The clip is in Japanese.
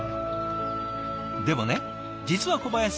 でもね実は小林さん